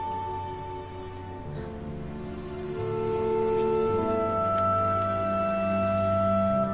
はい。